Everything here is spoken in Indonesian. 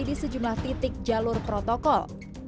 di sejumlah titik jalur protokol